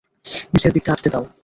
নিচের দিকটা আটকে দাও।